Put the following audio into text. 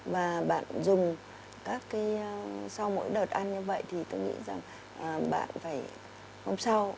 và bạn dùng các cái sau mỗi đợt ăn như vậy thì tôi nghĩ rằng bạn phải không sao